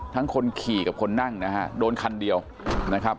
คนขี่กับคนนั่งนะฮะโดนคันเดียวนะครับ